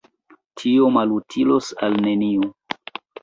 Tio malutilos al neniu.